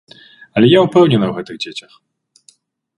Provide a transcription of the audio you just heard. Але я ўпэўнена ў гэтых дзецях.